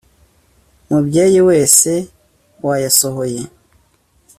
mubyeyi wese wayasohoye